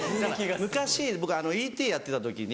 昔僕『Ｅ．Ｔ．』やってた時に。